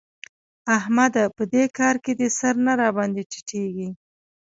احمده! په دې کار کې دي سر نه راباندې ټيټېږي.